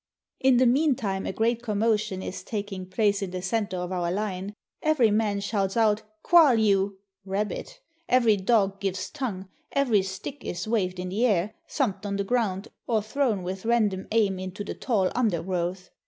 In the mean time, a great commotion is taking place in the center of our line; every man shouts out ^^CoeUio!" Rabbit! every dog gives tongue, every stick is waved in the air, thumped on the ground, or thrown with random aim into the tall undergrowth.